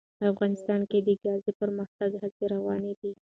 افغانستان کې د ګاز د پرمختګ هڅې روانې دي.